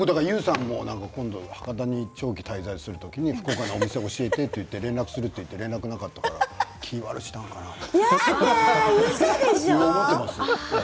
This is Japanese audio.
だからＹＯＵさんが博多に長期滞在する時に福岡のお店を教えてと言われて連絡すると言って連絡なかったから気悪くしたのかなって。